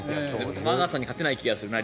玉川さんに勝てない気がするな。